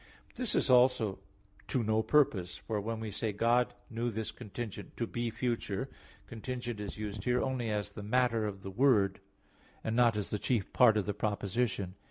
But this also is to no purpose; for when we say, "God knew this contingent to be future," contingent is used here only as the matter of the word, and not as the chief part of the proposition.